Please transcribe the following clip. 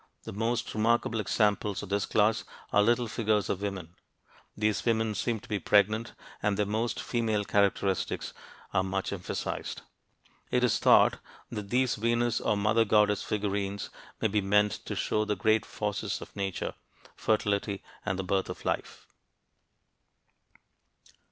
The most remarkable examples of this class are little figures of women. These women seem to be pregnant, and their most female characteristics are much emphasized. It is thought that these "Venus" or "Mother goddess" figurines may be meant to show the great forces of nature fertility and the birth of life.